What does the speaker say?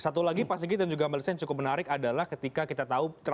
satu lagi pak segit dan juga mbak lesen cukup menarik adalah ketika kita tahu tragedi bunuh diri